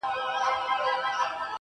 نن مي بيا پنـځه چيلمه ووهـل.